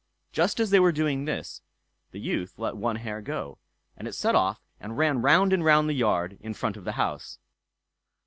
Just as they were doing this, the youth let one hare go, and it set off and ran round and round the yard in front of the house.